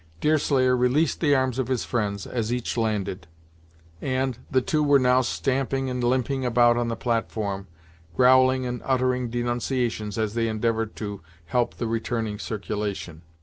Deerslayer released the arms of his friends, as each landed, and the two were now stamping and limping about on the platform, growling and uttering denunciations as they endeavored to help the returning circulation.